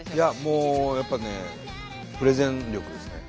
もうやっぱねプレゼン力ですね。